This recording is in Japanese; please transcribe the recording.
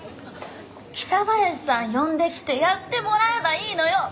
北林さん呼んできてやってもらえばいいのよ。